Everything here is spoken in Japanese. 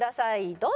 どうぞ！